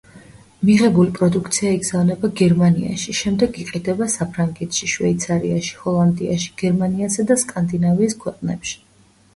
მიღებული პროდუქცია იგზავნება გერმანიაში, შემდეგ იყიდება საფრანგეთში, შვეიცარიაში, ჰოლანდიაში, გერმანიასა და სკანდინავიის ქვეყნებში.